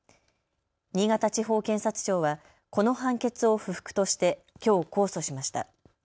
新潟地方検察庁はこの判決を不服として、きょう控訴しました。